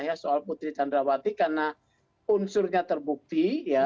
ya soal putri candrawati karena unsurnya terbukti ya